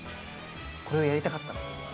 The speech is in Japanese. これをやりたかったの。